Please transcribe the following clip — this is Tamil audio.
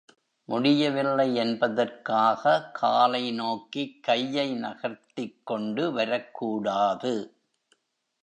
முடியவில்லை என்பதற்காக காலை நோக்கிக் கையை நகர்த்திக் கொண்டு வரக்கூடாது.